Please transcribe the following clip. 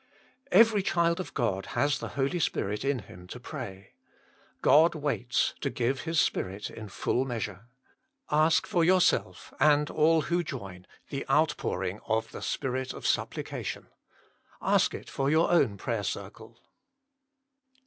Every child of God has the Holy Spirit in him to pray. God waits to give the Spirit in full measure. Ask for yourself, and all wlio join, the outpouring of the Spirit of Supplication. Ask it for your own prayer circle.